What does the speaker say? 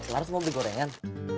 larus mau beli gorengan